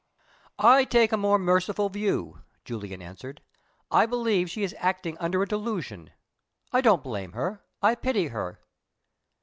"I take a more merciful view," Julian answered. "I believe she is acting under a delusion. I don't blame her: I pity her."